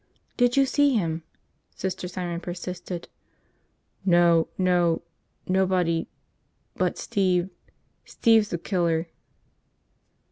"Did you see him?" Sister Simon persisted. "No. .. no. .. nobody ... but Steve ... Steve's the killer."